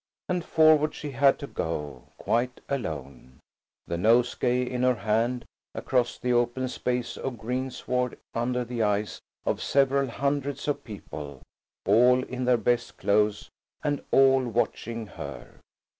And forward she had to go, quite alone, the nosegay in her hand, across the open space of greensward under the eyes of several hundreds of people, all in their best clothes and all watching her.